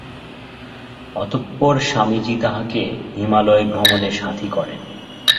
অতঃপর স্বামীজী তাঁহাকে হিমালয় ভ্রমণে সাথী করেন।